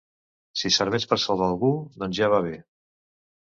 Si serveix per salvar algú, doncs ja va bé.